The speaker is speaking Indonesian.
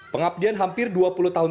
pengabdian hampir dua puluh tahun